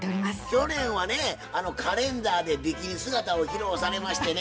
去年はねあのカレンダーでビキニ姿を披露されましてね。